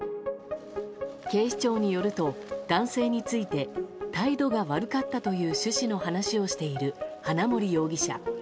警視庁によると、男性について態度が悪かったという趣旨の話をしている花森容疑者。